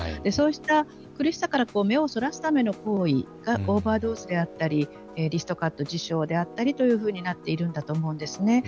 そうした苦しさから目をそらすための行為がオーバードーズであったりリストカット、自傷であったりというふうになっているんだと思うんです。